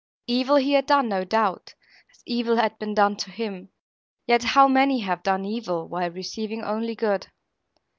Evil he had done, no doubt, as evil had been done to him; yet how many have done evil, while receiving only good!